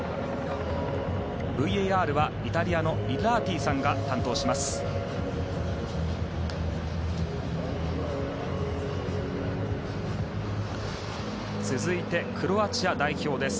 ＶＡＲはイタリアのイッラーティさんが担当します。